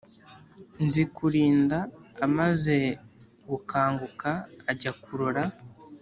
Nzikurinda amaze gukanguka ajya kurora,